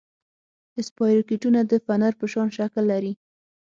اسپایروکیټونه د فنر په شان شکل لري.